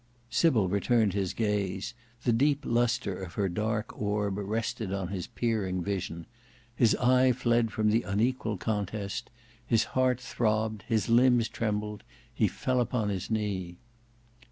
Sybil returned his gaze: the deep lustre of her dark orb rested on his peering vision; his eye fled from the unequal contest: his heart throbbed, his limbs trembled; he fell upon his knee.